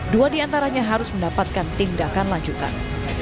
dua diantaranya harus mendapatkan tindakan lanjutan